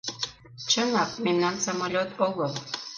Чынак, мемнан самолёт огыл.